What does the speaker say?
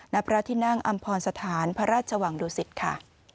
ณพระที่นั่งอำพรสถานพระราชวังดุสิตค่ะ